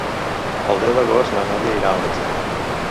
El deu d'agost na Nàdia irà al metge.